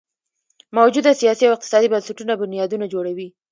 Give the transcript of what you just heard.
موجوده سیاسي او اقتصادي بنسټونه بنیادونه جوړوي.